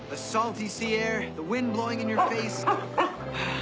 あ。